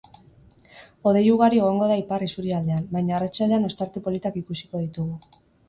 Hodei ugari egongo da ipar isurialdean, baina arratsaldean ostarte politak ikusiko ditugu.